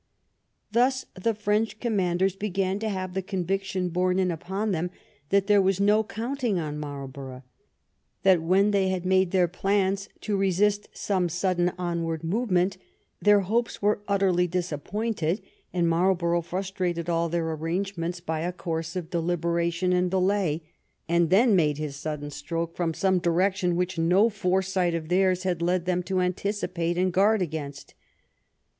Thus the French conmianders began to have the conviction borne in upon them that there was no counting on Marlborough, that when they had made all their plans to resist some sudden onward move ment their hopes were utterly disappointed, and Marl borough frustrated all their arrangements by a course of deliberation and delay, and then made his sudden stroke from some direction which no foresight of theirs had led them to anticipate and guard against.